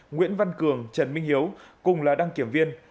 nguyễn văn cường trần minh hiếu cùng là đăng kiểm viên